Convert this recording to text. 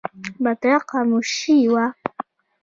مطلق خاموشي وه .